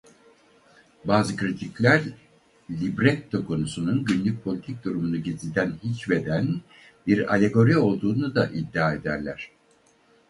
Bazı kritikler libretto konusunun günün politik durumunu gizliden hicveden bir alegori olduğunu da iddia ederler.